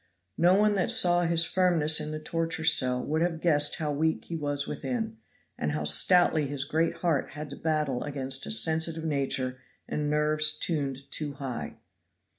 No one that saw his firmness in the torture cell would have guessed how weak he was within, and how stoutly his great heart had to battle against a sensitive nature and nerves tuned too high.